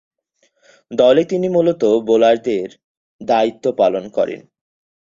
দলে তিনি মূলতঃ বোলারের দায়িত্ব পালন করেন।